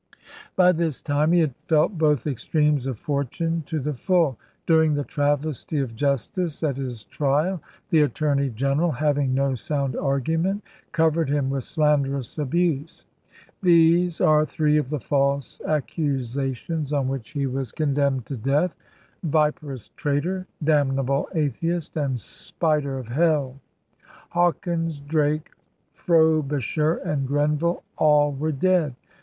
By this time he had felt both extremes of for tune to the full. During the travesty of justice at his trial the attorney general, having no sound argument, covered him with slanderous abuse. These are three of the false accusations on which he was condemned to death: * Viperous traitor,' * damnable atheist,' and 'spider of hell.' Hawkins, Drake, Frobisher, and Grenville, all were dead.